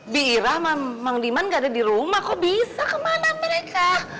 bi ira mang diman gak ada di rumah kok bisa kemana mereka